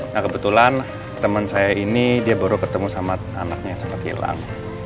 nah kebetulan teman saya ini dia baru ketemu sama anaknya yang sempat hilang